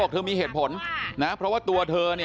แม้คุณสมบัติจะไม่เป๊ะทุกอย่างแต่ชอบมากลองดูตรงนี้หน่อยนะฮะ